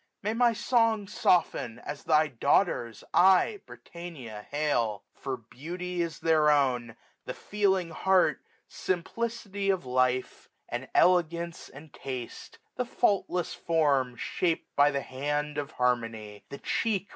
May my song soften, as thy Daughters I, Britannia, hail! for beauty is their own, 1580 The feeling hcfirt, simplicity of life. SUMMER. 109 And elegance, and taste ; the faultless form, ShapM by the hand of harmony ; the cheek.